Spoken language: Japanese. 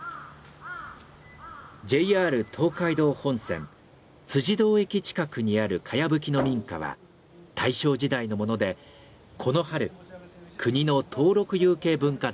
ＪＲ東海道本線堂駅近くにある茅葺の民家は大正時代のものでこの春国の登録有形文化財に。